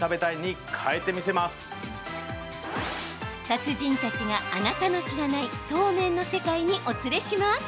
達人たちが、あなたの知らないそうめんの世界にお連れします。